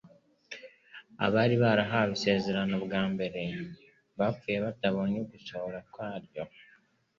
Abari barahawe isezerano bwa mbere, bapfuye batabonye ugusohora kwaryo.